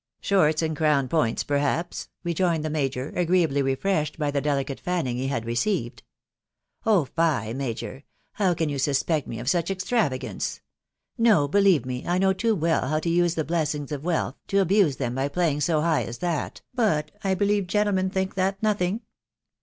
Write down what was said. (c Shorts and crown points, perhaps," rejoined the major, agreeably refreshed by the delicate fanning he had received. " Oh fie ! major .... how can you suspect me of .such extravagance ?.... No, believe me, I know too well how to use the blessings of wealth, to abuse them by playing so high as that .... but I believe gentlemen think that no thing